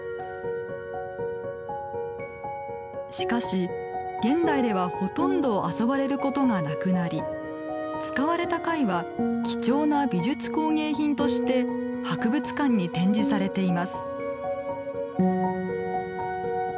しかし現代ではほとんど遊ばれることがなくなり使われた貝は貴重な美術工芸品として博物館に展示されています。